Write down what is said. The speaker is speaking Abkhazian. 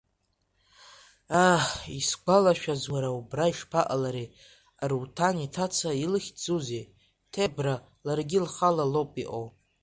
Аа, исгәалашәаз, уара, убра ишԥаҟалари, Аруҭан иҭаца, илыхьӡузеи, Ҭебра, ларгьы лхала лоуп иҟоу.